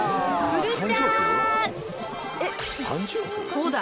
そうだ。